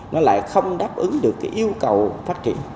nó lại không đáp ứng được cái yêu cầu phát triển